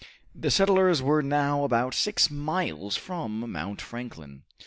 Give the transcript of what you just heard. The settlers were now about six miles from Mount Franklin.